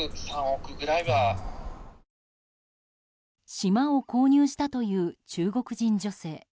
島を購入したという中国人女性。